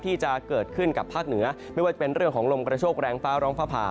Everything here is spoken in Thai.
ที่จะเกิดขึ้นกับภาคเหนือไม่ว่าจะเป็นเรื่องของลมกระโชคแรงฟ้าร้องฟ้าผ่า